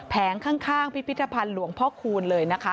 ข้างพิพิธภัณฑ์หลวงพ่อคูณเลยนะคะ